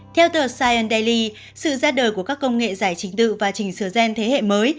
theo tờ cyan dayly sự ra đời của các công nghệ giải trình tự và chỉnh sửa gen thế hệ mới